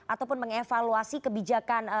ataupun mengevaluasi kebijakan